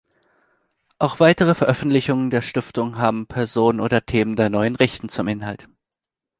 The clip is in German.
Auch weitere Veröffentlichungen der Stiftungen haben Personen oder Themen der Neuen Rechten zum Inhalt.